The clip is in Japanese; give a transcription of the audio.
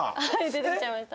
出てきちゃいました。